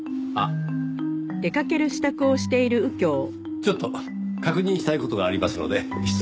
ちょっと確認したい事がありますので失礼。